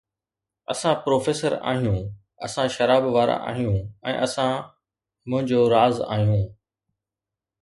اسان پروفيسر آهيون، اسان شراب وارا آهيون، ۽ اسان منهنجو راز آهيون